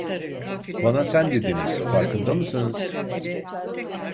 Bana "sen" dediniz, farkında mısınız?